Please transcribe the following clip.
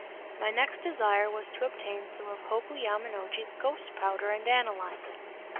My next desire was to obtain some of Hoku Yamanochi's ghost powder and analyze it.